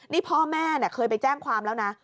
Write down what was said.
นี่พ่อแม่เคยไปแจ้งความแล้วนะ